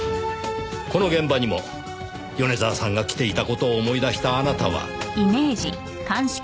この現場にも米沢さんが来ていた事を思い出したあなたは。